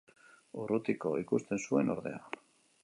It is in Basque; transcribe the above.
Urrutiko ikusten zuen, ordea.